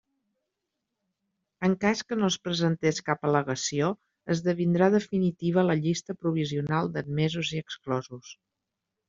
En cas que no es presentés cap al·legació, esdevindrà definitiva la llista provisional d'admesos i exclosos.